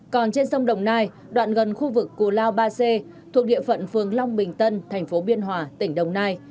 còn trên sông đồng nai đoạn gần khu vực cù lao ba c thuộc địa phận phường long bình tân thành phố biên hòa tỉnh đồng nai